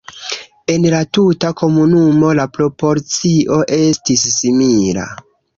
En la tuta komunumo la proporcio estis simila.